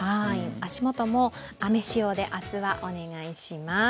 足元も雨仕様で明日はお願いします。